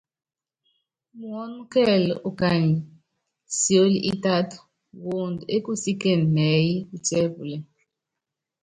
Muɔ́n kɛɛl úkany sióli ítát woond é kusíken nɛɛyɛ́ putiɛ́ púlɛl.